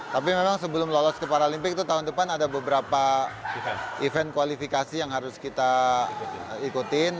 tapi memang sebelum lolos ke paralimpik itu tahun depan ada beberapa event kualifikasi yang harus kita ikutin